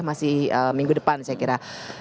masih minggu depan saya kira